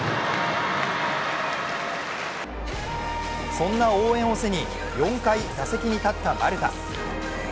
そんな応援を背に、４回打席に立った丸田。